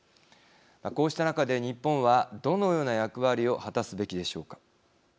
こうした中で日本はどのような役割を果たすべきでしょうか。